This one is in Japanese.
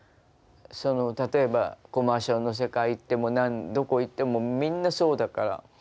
例えばコマーシャルの世界行ってもどこ行ってもみんなそうだから。